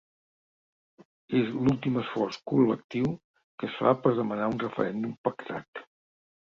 És l’últim esforç col·lectiu que es fa per demanar un referèndum pactat.